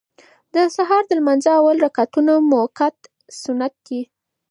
د سهار د لمانځه اول رکعتونه مؤکد سنت دي.